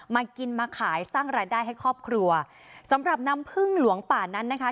มากินมาขายสร้างรายได้ให้ครอบครัวสำหรับน้ำพึ่งหลวงป่านั้นนะคะ